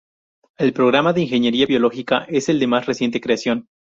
El programa de ingeniería biológica es el de más reciente creación.